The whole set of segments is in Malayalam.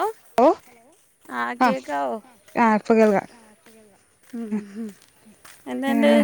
ആഹ്. ഹലോ. ആഹ് കേക്കവൊ? ഉം ഏഹ്.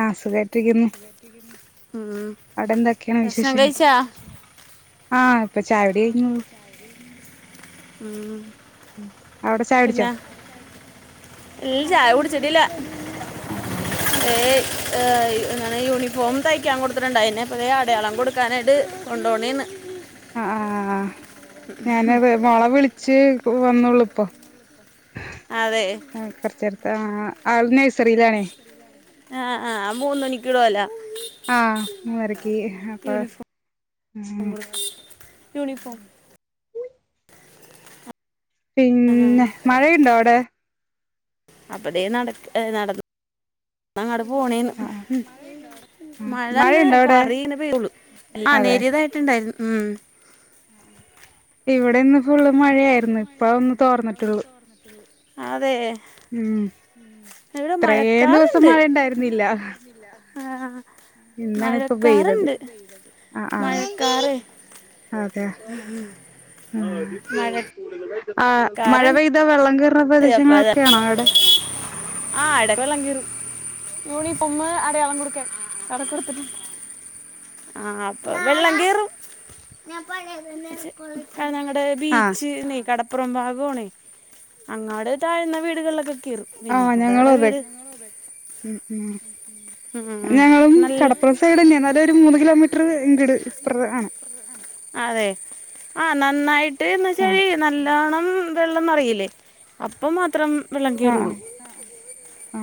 ആഹ് സുഖാട്ടിരിക്ക്ന്ന്. കെ ടി ബിന്ന് ഉം അവ്ടെന്തൊക്കേണ് വിശേഷം. ആഹ് ഇപ്പൊ ചായൊടിഴിഞ്ഞു. ഉം. അവ്ടെ ചായൊട്ച്ചൊ? ഈ ചായ കുട്ച്ചിട്ടില്ല. അഹ് ആഹ് ഏയ് ഏഹ് എന്താണ് യൂണിഫോമ് തയ്ക്കാം കൊട്ത്ത്ട്ട്ണ്ടായി. ന്നെ പുതിയ അടയാളം കൊട്ക്കാനായിട്ട് കൊണ്ടോണിന്ന്. അഹ് ആഹ്. ഞാനതെ മോളെ വിളിച്ച് വന്നൊള്ളു പ്പം. അതെ ആഹ് കൊർച്ചേരത്തെ ആഹ് ആൾ നഴ്സറിയിലാണെ. ആഹ് ആഹ് മൂന്നണിക്ക് വിടോലാ. ആഹ് മൂന്നരക്കി. അപ്പൊ ഉം. യുണിഫോം പിന്നെ. മഴയുണ്ടൊ അവ്ടെ? അപ്പതേ നട ഏഹ് നടന്ന്. അങ്ങാട് പോണേണ് ഉം. മഴ ന്ന് കാറി ങ്ങെനെ പെയ്തൊള്ളു. ആഹ് നേരിയതായിട്ടുണ്ടായിരുന്നു. ഉം ഇവ്ടെ ഇന്ന് ഫുള്ള് മഴയായിര്ന്ന്. പ്പൊന്ന് തോർന്ന്ട്ട്ള്ളു. അതേ. ഉം ഇവ്ടെ മഴക്കാറ്ണ്ട്. ആഹ് ഇന്നണ് ഇപ്പൊ പെയ്തത്. അഹ് ആഹ്. അതെ ആഹ്. മഴ ആഹ് മഴ പെയ്താ വെള്ളം കേർന്ന പ്രദേശങ്ങളൊക്കെയാണൊ അവ്ടെ? ആഹ് എടവെള്ളം കേറും യൂണിഫോമ് അടയാളം കൊടുക്കാൻ അവിടെ കൊടുത്തിട്ടുണ്ട് ആഹ് അപ്പൊ വെള്ളം കേറും ആഹ് ഞങ്ങടെ ബീച്ച്നെ കടപ്പുറം ഭാഗാണേ അങ്ങാട് താഴ്ന്ന വീടുകളിലൊക്കെ കേറും പിന്നെ ഞങ്ങടെ അവിടെ വീട് ഉം ഉം ഞങ്ങളും കടപ്പുറം സൈഡ് തന്നെയാ ഇന്നാലും ഒരു മൂന്ന് കിലോമീറ്റർ ഇങ്കിട് ഇപ്പറെ ആണ് അതെ ആഹ് നന്നായി ആഹ് നല്ലോണം വെള്ളം നെറയില്ലേ അപ്പം മാത്രം വെള്ളം കയറുള്ളൂ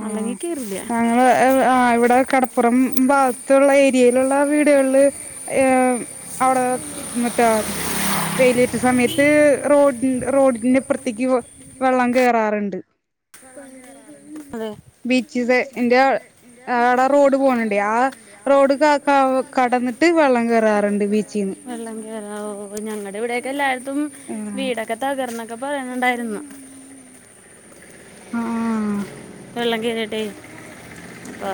അല്ലെങ്കി കേറൂല്ലാ ഞങ്ങള് ആഹ് ഏഹ് ഇവിടെ കടപ്പുറം ഭാഗത്തുള്ള ഏരിയയിലുള്ള വീടുകളില് ഏഹ് അവിടെ [unintelligible] വെലിയേറ്റ സമയത്ത് റോഡ് റോഡിന്റെപ്പർത്തേക്ക് വെള്ളം കേറാറുണ്ട് അതെ ബീച്ച് സൈ ന്റെ അവിടെ റോഡ് പോണ് ണ്ടെ ആ റോഡ് ക കവ് കടന്നിട്ട് വെള്ളം കേറാറുണ്ട് ബീച്ചിന്ന് വീടക്കെ തകർന്നൊക്കെ പറയുന്നുണ്ടായിരുന്നു വെള്ളം കേറിട്ടെ അപ്പ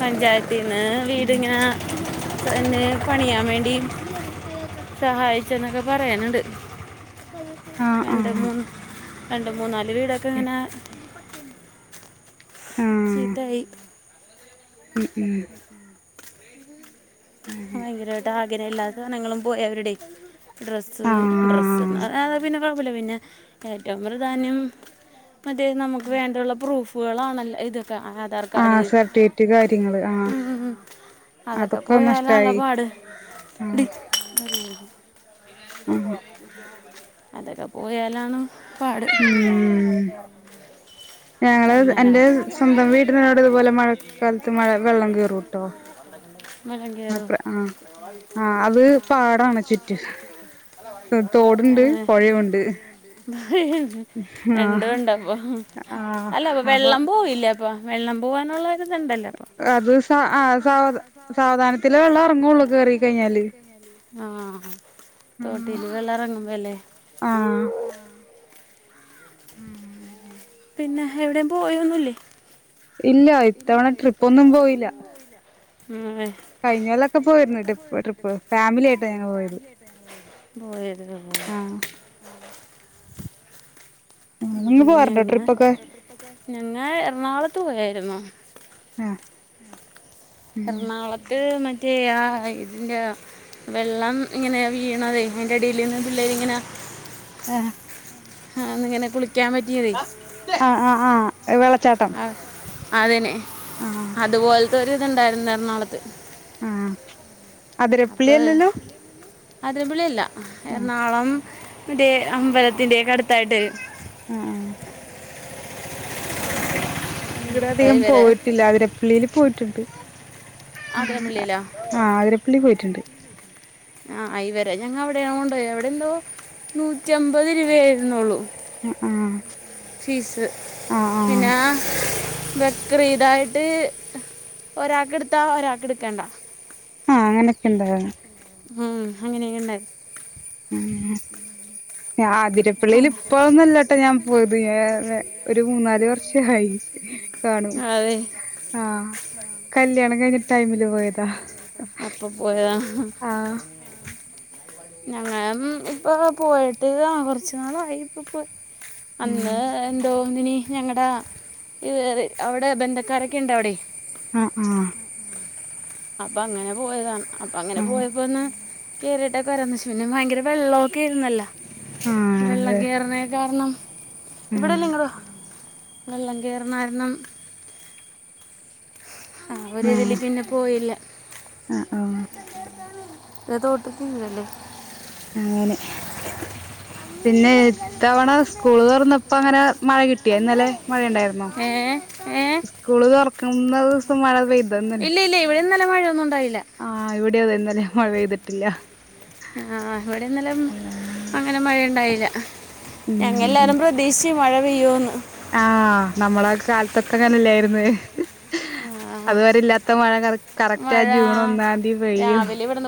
പഞ്ചായ പിന്നെ വീടിങ്ങനെ സ പിന്നെ പണിയാൻ വേണ്ടി സഹായിച്ചെന്നൊക്കെ പറയണുണ്ട് രണ്ട് മൂന്ന് രണ്ട് മൂന്നാല് വീടൊക്കെ ഇങ്ങനെ ചീത്തായി ഉം ഉം ഭയങ്കരായിട്ട് ആഗ്രഹ എല്ലാ സാധനങ്ങളും പോയി അവര്‌ടെ ഡ്രസ്സ് ഡ്രസ്സ്ന്ന് പറഞ്ഞാ അത് പിന്നെ കൊഴപ്പയില്ലാ പിന്നെ ഏറ്റോം പ്രധാന്യം മറ്റേ നമുക്ക് വേണ്ടുള്ള പ്രൂഫുകളാണൽ ഇതൊക്കെ അ ആധാർകാർഡ് ഉം ഉം അതൊക്ക പോയാ [unintelligible] പാട് ആഹ് അതൊക്കെ പോയാലാണ് പാട് ഉം ഞങ്ങള് എൻ്റെ സ്വന്തം വീടിനോട് ഇതുപോലെ മഴക്കാലത്ത് മഴ വെള്ളം കേറൂട്ടോ ആഹ് പ്രെ ആഹ് ആഹ് അത് പാടാണ് ചുറ്റും തോട്ണ്ട് പൊഴയുണ്ട് രണ്ടു ഇണ്ട് അപ്പൊ അല്ല വെള്ളം പോവില്ലപ്പോ അപ്പൊ വെള്ളം പോവാനുള്ളരിത്ണ്ടല്ലോ ആഹ് അത് സ ആഹ് സാവ സാവധാനത്തില വെള്ളം എറങ്ങുള്ളൂ കേറി കഴിഞ്ഞാല് ആഹ് തോട്ടില് വെള്ളം എറങ്ങുമ്പല്ലേ ആഹ് പിന്നെ എവിടേം പോയൊന്നുല്ലേ ഇല്ല ഇത്തവണ ട്രിപ്പൊന്നും പോയില്ലാ ഉം കഴിഞ്ഞൊല്ലൊക്കെ പോയിരുന്നു ട്രിപ്പ് ഫാമിലി ആയിട്ടാ ഞങ്ങള് പോയത് ഓഹ് ഓഹ് ഉം നിങ്ങ പോവറുണ്ടോ ട്രിപ് ഞങ്ങൾ എറണാകുളത്തു പോയിരുന്നു എറണാകുളത്ത് മറ്റേ ആ ഇതിന്റെ വെള്ളം ഇങ്ങനെയ വീയണതെ അതിന്റെ എടേൽ ഇരുന്നിട്ടങ്ങനെ ആഹ് ആഹ് ഇങ്ങനെ കുളിക്കാൻ പറ്റും ആഹ് ആഹ് വെള്ളച്ചാട്ടം അതന്നെ അതുപോലത്തരുതുണ്ടായിരുന്നു എറണാകുളത്ത് ആഹ് അപ്പ അടിപൊളിയല്ല എറണാകുളം അതേ അമ്പലത്തിന്റെ ഒക്കെ അടുത്തായിട്ട് ആഹ് അങ്ങടെ അധികം പോയിട്ടില്ല അതിരപ്പള്ളിൽ പോയിട്ടുണ്ട് ആഹ് ആതിരപ്പള്ളി പോയിട്ടുണ്ട് ആഹ് അയിവരെ ഞങ്ങ അവിടെയാണോ കൊണ്ട അവിടെ എന്തോ നൂറ്റി അമ്പത് രൂപയായിരുന്നുള്ളൂ ആഹ് ഫീസ് പിന്നെ ബക്രിതായിട്ട് ഒരാൾക്ക് എടുത്താ ഒരാൾക്ക് എടുക്കേണ്ടാ ആഹ് അങ്ങനൊക്കെണ്ടാണ് ഉം അങ്ങനെ ഉണ്ടായിരുന്നു ആതിരപ്പള്ളിൽ ഇപ്പോഴൊന്നല്ലോട്ടോ ഞാൻ പോയത് ഒരു മൂന്നാല് വർഷായി കാണൂ ആഹ് കല്യാണം കഴിഞ്ഞ ടൈമില് പോയതാ അപ്പൊ പോയതാ ഞങ്ങ ഇപ്പൊ പോയിട്ട് ആഹ് കൊറച്ചുനാൾ ആയി ഇപ്പൊ അന്ന് എന്തോ ന്ന്നി ഞങ്ങടെ ഇ അവിടെ ബന്ധക്കാരൊക്കെ ഉണ്ട അവിടെ ഉം ഉം അപ്പൊ അങ്ങനെ പോയതാണ് അപ്പ അങ്ങനെ പോയപ്പോന്നാ കയറിയിട്ടൊക്കെ വരാന്ന്ച്ചു പിന്നെ ഭയങ്കര വെള്ളോക്കയിരുന്നല്ലോ. വെള്ളകയറ്ണ കാരണം ഇവിടല്ലേ ഇങ്ങള് വെള്ളം കയറ്ണകാരണം ആഹ് ഒരിതില് പിന്നെ പോയില്ല. ആഹ് ലെ തോട്ട്ക്കീറല്ലേ അങ്ങനെ പിന്നെ ഇത്തവണ സ്കൂള് തൊറന്നപ്പോങ്ങനെ മഴ കിട്ടിയോ ഇന്നലെ മഴയുണ്ടാ രുന്നോ? സ്കൂള് തൊറക്കുന്ന ദിവ്സം മഴ പെയ്തോന്നലേ? പ്പഴും നല്ല മഴൊന്നുണ്ടായില്ല. ആഹ് ഇവിടിഅതോ ഇന്നലേ മഴ പെയ്തിട്ടില്ല. ആഹ് ഇവിടിന്നലെം അങ്ങനെ മഴണ്ടായില്ല. ഞങ്ങല്ലാരും പ്ര തീശ് മഴ പെയ്യോന്ന്. ആഹ് നമ്മളെ കാലത്തൊക്കെ അങ്ങനില്ലായിരുന്നേ. അതുവരെ ഇല്ലാത്ത മഴ കറ കറക്റ്റാ ജൂൺ ഒന്നാതി പെയ്യും.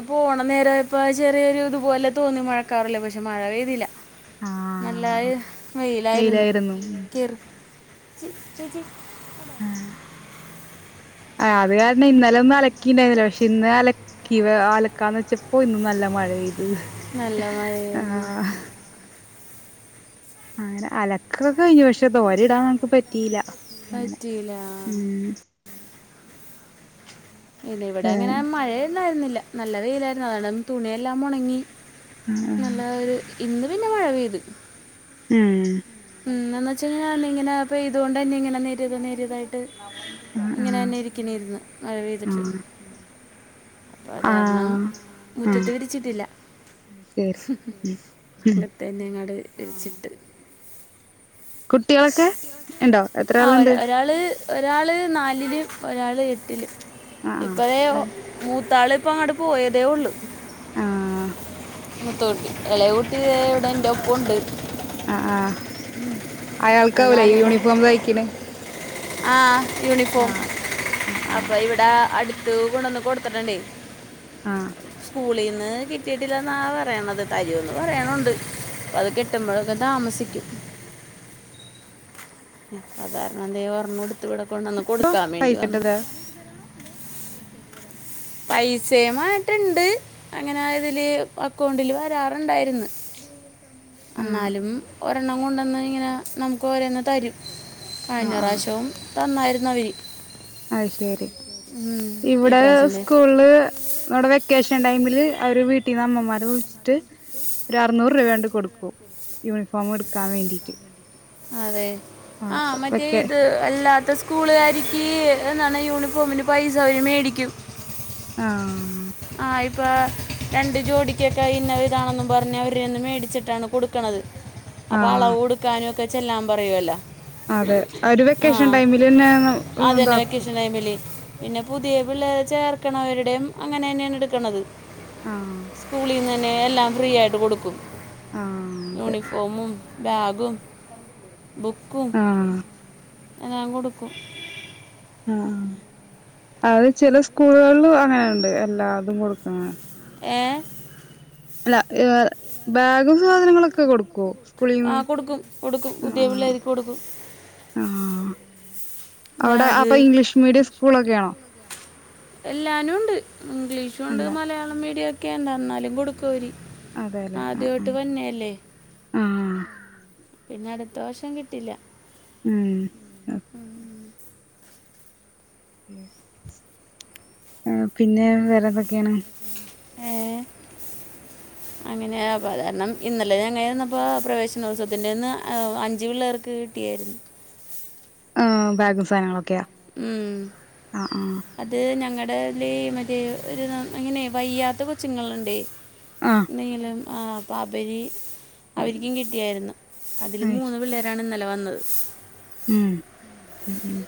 പോണ നേരായപ്പോ ചെറിയൊരു ഇതുപോലെ തോന്നി മഴക്കാറില്ലേ പക്ഷെ മഴ പെയ്തില്ല. നല്ലായ് വെയിലായിരുന്നു കിർ ആഹ് അത് കാരണ ഇന്നലൊന്നു അലക്കീണ്ടായിന്നില്ല. പക്ഷേ ഇന്ന് അല ക്കിവ അലക്കാ വെച്ചപ്പൊൻ നല്ല മഴ പെയ്ത്. ആഹ് അങ്ങനെ അലക്കൊകഴിഞ്ഞു പക്ഷെ തോരിടാൻ എൻക്ക് പറ്റിയില്ല. പറ്റീലാ ആഹ് ഇത് ഇവിടെങ്ങനെ മഴയുണ്ടയിരുന്നില്ല നല്ല വെയിലായിരുന്നു അതാണ്ട് തുണിയെല്ലാമൊണങ്ങി. നല്ല ഒര് ഇന്ന് പിന്നെ മഴ പെയ്ത്. ഉം ഇന്നെന്നെച്ചയിഞ്ഞാല് ഇങ്ങനെ പെയ്തോണ്ടെന്നെ ഇങ്ങനെ നെരിത് നേ നെരിതായി ട്ട് ഇങ്ങനെന്നെ ഇരിക്കണേര്ന്ന് മഴ പെയ്തിട്ട്. അത്കാരണം മുറ്റത്ത് വിരിച്ചിട്ടില്ല. തന്നെങ്ങാട് വിരിച്ചിട്ട്. ആഹ് ഒര ഒരാള് ഒരാള് നാലിലും ഒരാള് എട്ടിലും ഇപ്പഴേ മൂത്താള്പ്പങ്ങട് പോയതേ ഒള്ളു. മുത്തകൂട്ടി എളയകുട്ടി ഇവിടെ എൻ്റൊപ്പോണ്ട്. അഹ് ആഹ് അയാൾക്കാവൂലേ യൂണിഫോം തയ്ക്ക്ണ്. ആഹ് യൂണിഫോം അപ്പ ഇവ് ട അടുത്ത് കൊണ്ടന്ന് കൊടുത്തിട്ട്ണ്ടേയ്. ആഹ് സ്കൂളീന്ന് കിട്ടീട്ടില്ലെന്നാ പറയണത് തരൂന്ന് പറയണുണ്ട്. അത് കിട്ടുമ്പഴേക്കും താമസിക്കും. സാധാരണന്തേ ഒരെണ്ണെടുത്ത് ഇവിടെ കൊണ്ടന്ന് കൊടുക്കാൻ മേണ്ടി വന്ന. പൈസേം മാറ്റണ്ട്. അങ്ങനായതില് അക്കൗണ്ടില് വരാറുണ്ടായ്ര്ന്ന്. അന്നാലും ഒരെണ്ണം കൊണ്ടെന്ന്ങ്ങനെ നമുക്ക് ഓരന്നെ തരും. കഴിഞ്ഞ പ്രാശ്യവും തന്നായിരുന്നവര്. അഹ്ശരി ഇവിടെ സ് കൂൾല് അവ്ടെ വെക്കേഷൻ ടൈമില് അവരെ വീട്ടീന്ന് അമ്മമാരെ വിളിച്ചിട്ട് ഒരറ്നൂറ് രൂപയാണ്ട് കൊടുക്കും. യൂണിഫോമ് എടുക്കാൻ വേണ്ടീട്ട്. അതെ ആഹ് മറ്റേ ഇത് അല്ലാത്ത സ്കൂളുകാരിക്ക് എന്താണ് യൂണിഫോമിന് പൈസ അവര് മേടിക്കും. ആഹ് ആ ഇപ്പാ രണ്ട് ജോഡിക്കൊക്കെ ഇന്ന ഇതാണെന്നും പറഞ്ഞ് അവരി നിന്ന് മേടിച്ചിട്ടാണ് കൊടുക്കണത് അപ്പൊ അളവ് കൊടുക്കാനും ഒക്കെ ചെല്ലാം പറയോല്ല അതെ അവരു വെക്കേഷൻ ടൈമിലന്നെ [unintelligible] ഇതാക്കും ഫാമിലി പിന്നെ പുതിയ പിള്ളേരെ ചേർക്കണവരുടെയും അ അങ്ങനെന്നേണ് എടുക്കണത് സ്കൂളിൽന്ന് ന്നെ എല്ലാം ഫ്രീ ആയിട്ട് കൊടുക്കും യൂണിഫോമും ബാഗും ബുക്കും ആഹ് എല്ലാം കൊടുക്കും ആഹ് അത് ചെല സ്കൂളുകളിലും അങ്ങനെണ്ട് എല്ലാതും കൊടുക്കണ ഏഹ് അല്ല [unintelligible] ബാഗും സാധനങ്ങളൊക്കെ കൊടുക്കോ സ്കൂളി [unintelligible] ആഹ് ആഹ് അവിടെ അപ്പൊ ഇംഗ്ലീഷ് മീഡിയം സ്കൂളൊക്കെ ആണോ എല്ലാനുണ്ട് ഇംഗ്ലീഷുണ്ട് മലയാളം മീഡിയ ഒക്കെന്തന്നാലും കൊടുക്കവര് ആദ്യവായിട്ട് വരുന്നെന്നെയല്ലേ പിന്നെ അടുത്ത വർഷം കിട്ടില്ല ഉം ഉം ആഹ് പിന്നെ വേറെ എന്തൊക്കെയാണ് ഏഹ് അങ്ങനെ അപ്പൊ അത് കാരണം ഇന്നലെ ഞങ്ങന്നപ്പോ പ്രവേശനോത്സവത്തിന്റെന്ന് അഞ്ച് പിള്ളേർക്ക് കിട്ടിയാരു ബാഗും സാനങ്ങളൊക്കെയാ ഉം അത് ഞങ്ങടേല് മറ്റേ ഒരു അങ്ങനെ വയ്യാത്ത കൊച്ചുങ്ങളുണ്ടേ ആഹ് നീലം ആഹ് അപ്പൊ അബര് അവരിക്കും കിട്ടിയായിരുന്നു അതില് മൂന്ന് പിള്ളേരാണ് ഇന്നലെ വന്നത് ഉം ഉം ഉം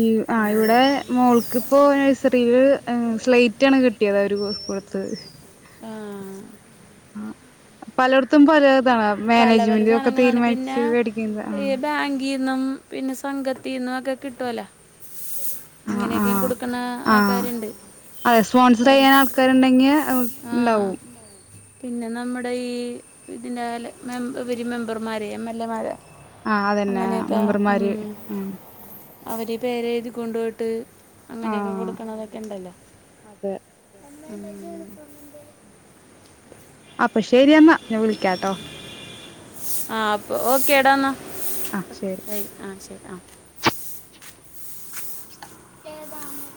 ഈ ആഹ് ഇവിടെ മോൾക്കിപ്പോ നഴ്സ [unintelligible] ഏഹ് സ്ലൈറ്റണ് കിട്ടിയത് അവര് കൊടുത്തത് ആഹ് ആഹ് പലട്ത്തും പല ഇതാണ് പല പല സാധനങ്ങളാണ് പിന്നെ ഈ ബാങ്കീന്നും പിന്നെ സംഘത്തിന്നും ഒക്കെ കിട്ടോലോ അങ്ങനെയൊക്കെ കൊടുക്കണ ആൾക്കാരുണ്ട് അതെ സ്പോൺസർ ചെയ്യാൻ ആൾക്കാരുണ്ടെങ്കിൽ ഇണ്ടാവും പിന്നെ നമ്മുടെ ഈ ഇതിന്റെ ലെ ഇവരി മെമ്പർമാരെ എം എൽ എമാര് അങ്ങനെയൊക്കെ ഉം അവര് പേരെഴുതി കൊണ്ടു പോയിട്ട് അങ്ങനെയൊക്കെ കൊടുക്കണതൊക്കെ ഇണ്ടല്ലോ ഉം അപ്പൊ ശരിയെന്നാ ഞാൻ വിളിക്കാട്ടോ ആഹ് അപ്പ ഓക്കേ ടാ ആഹ് ശരി ഏഹ് ആഹ് [unintelligible]